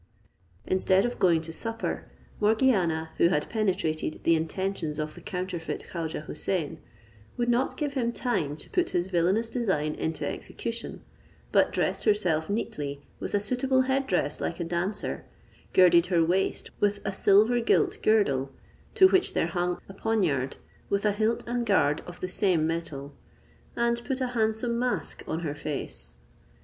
Instead of going to supper, Morgiana, who had penetrated the intentions of the counterfeit Khaujeh Houssain, would not give him time to put his villanous design into execution, but dressed herself neatly with a suitable head dress like a dancer, girded her waist with a silver gilt girdle, to which there hung a poniard with a hilt and guard of the same metal, and put a handsome mask on her face.